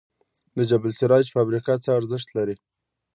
د جبل السراج فابریکه څه ارزښت لري؟